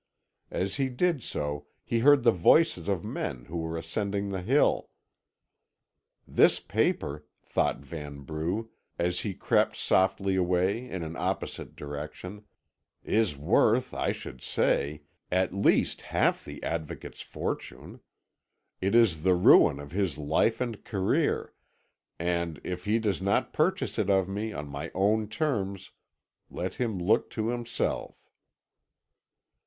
As he did so he heard the voices of men who were ascending the hill. "This paper," thought Vanbrugh, as he crept softly away in an opposite direction, "is worth, I should say, at least half the Advocate's fortune. It is the ruin of his life and career, and, if he does not purchase it of me on my own terms, let him look to himself."